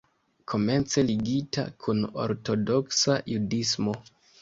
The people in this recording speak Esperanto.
Komence ligita kun Ortodoksa Judismo.